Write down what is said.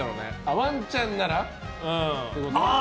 ワンちゃんならってこと？